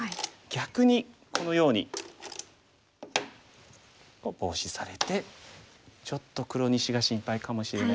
逆にこのようにボウシされてちょっと黒２子が心配かもしれないです。